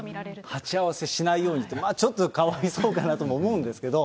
鉢合わせしないようにって、ちょっとかわいそうかなと思うんですけど。